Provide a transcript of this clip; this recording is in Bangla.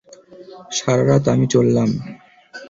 সারারাত আমি চললাম।